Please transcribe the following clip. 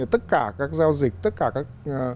tất cả các giao dịch tất cả các